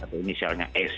atau misalnya s